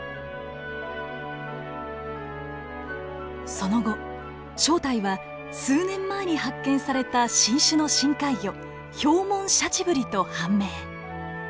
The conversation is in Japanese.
その後正体は数年前に発見された新種の深海魚ヒョウモンシャチブリと判明。